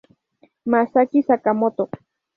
Masaki Sakamoto